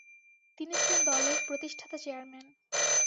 তিনি ছিলেন দলের প্রতিষ্ঠাতা চেয়ারম্যান।